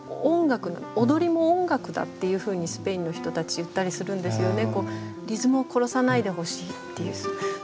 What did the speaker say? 「踊りも音楽だ」っていうふうにスペインの人たち言ったりするんですよね。